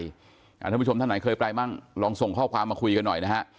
ท่านผู้ชมท่านไหนเคยไปมั่งลองส่งข้อความมาคุยกันหน่อยนะฮะ